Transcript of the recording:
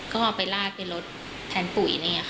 ก็เอาไปราดไปลดแผนปุ๋ย